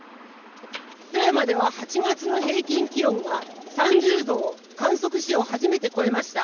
富山では８月の平均気温が３０度を観測史上初めて超えました。